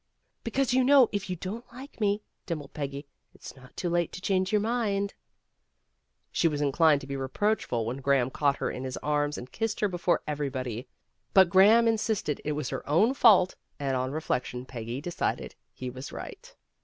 "Because you know, if you don't like me," dimpled Peggy, "it's not too late to change your mind. '' She was inclined to be reproach ful when Graham caught her in his arms and kissed her before everybody, but Graham in sisted it was her own fault, and on reflection Peggy decided he was right.